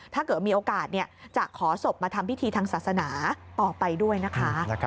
ถ้าเกิดมีโอกาสจะขอศพมาทำพิธีทางศาสนาต่อไปด้วยนะคะ